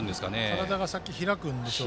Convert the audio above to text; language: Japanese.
体が先に開くんでしょうね。